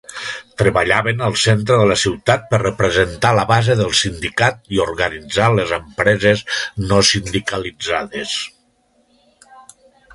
Treballaven al centre de la ciutat per representar la base del sindicat i organitzar les empreses no sindicalitzades.